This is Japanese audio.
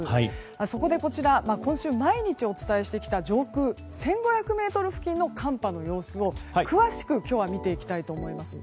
そこで今週毎日お伝えしてきた上空１５００ｍ付近の寒波の様子を詳しく今日は見ていきたいと思います。